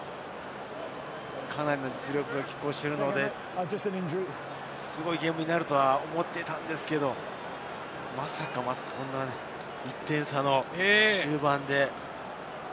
かなり実力が拮抗しているので、すごいゲームになるとは思っていたのですけれど、まさかまさか、こんな１点差の終盤で。